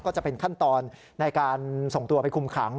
ก็จะเป็นขั้นตอนในการส่งตัวไปคุมขัง